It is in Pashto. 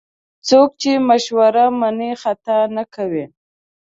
څوک چې مشوره مني، خطا نه کوي.